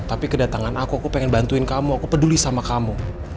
tapi kedatangan aku aku pengen bantuin kamu aku peduli sama kamu